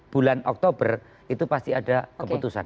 bulan oktober itu pasti ada keputusan